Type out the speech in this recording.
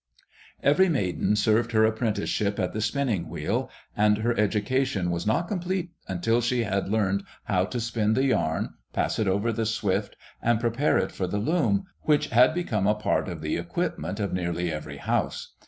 Every maiden served her apprenticeship at the spinning wheel, and her education was not complete until she had learned how to spin the yarn, pass it over the swift, and prepare it for the loom, which had become a part of the equipment of nearly every house.